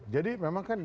jadi memang kan